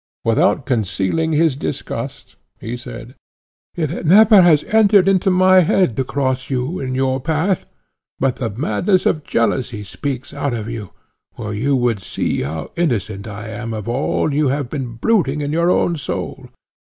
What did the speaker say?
Without concealing his disgust, he said, "It never has entered into my head to cross you in your path, but the madness of jealousy speaks out of you, or you would see how innocent I am of all you have been brooding in your own soul.